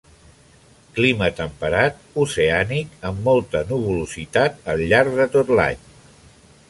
Clima temperat, oceànic, amb molta nuvolositat al llarg de tot l'any.